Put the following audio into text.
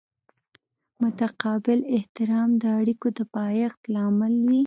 متقابل احترام د اړیکو د پایښت لامل دی.